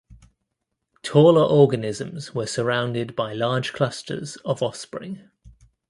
Taller organisms were surrounded by large clusters of offspring.